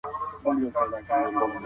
ډیپلوماټان کله په سفارتونو کي کار پیلوي؟